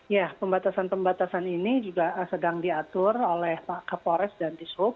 ya pembatasan pembatasan ini juga sedang diatur oleh pak kapolres dan dishub